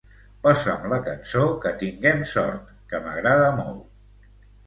Posa'm la cançó "Que tinguem sort", que m'agrada molt.